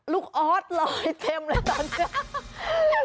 ออสลอยเต็มเลยตอนนี้